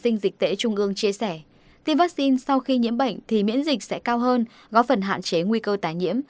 ngương chia sẻ tiêm vaccine sau khi nhiễm bệnh thì miễn dịch sẽ cao hơn góp phần hạn chế nguy cơ tái nhiễm